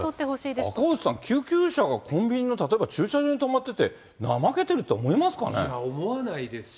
これ赤星さん、救急車がコンビニの例えば駐車場に止まってて、いや、思わないですし。